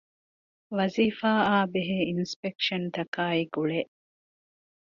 ވަޒީފާއާބެހޭ އިންސްޕެކްޝަންތަކާއި ގުޅޭ